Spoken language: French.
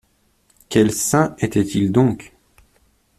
Quels saints étaient-ils donc?